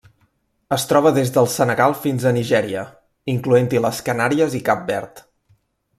Es troba des del Senegal fins a Nigèria, incloent-hi les Canàries i Cap Verd.